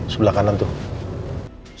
sebelah kanan tuh